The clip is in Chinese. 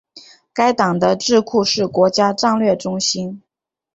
该党的智库是国家战略中心。